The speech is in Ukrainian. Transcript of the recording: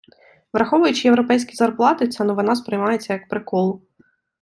Враховуючи європейські зарплати ця новина сприймається, як прикол.